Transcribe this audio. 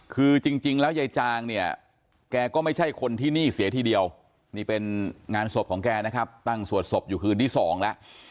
คือจริงแล้วยายจางเนี่ยแกก็ไม่ใช่คนที่นี่เสียทีเดียวนี่เป็นงานศพของแกนะครับตั้งสวดศพอยู่คืนที่สองแล้ว